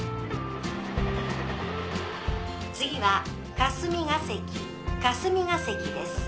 次は霞ケ関霞ケ関です。